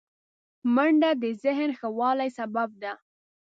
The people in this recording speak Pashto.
منډه د ذهن ښه والي سبب ده